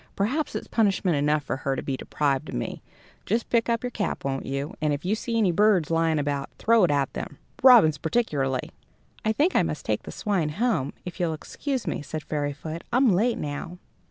Perhaps it's punishment enough for her to be deprived of me. Just pick up your cap, won't you? and if you see any birds lying about, throw it at them, robins particularly." "I think I must take the swine home, if you'll excuse me," said Fairyfoot, "I'm late now."